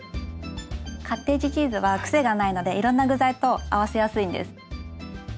カッテージチーズはクセがないのでいろんな具材と合わせやすいんです。